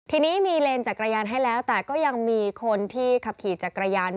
ทีนี้มีเลนจักรยานให้แล้วแต่ก็ยังมีคนที่ขับขี่จักรยาน